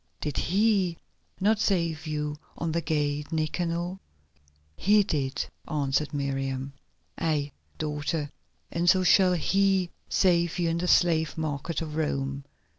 Did He not save you on the gate Nicanor?" "He did," answered Miriam. "Aye, daughter, and so shall He save you in the slave market of Rome.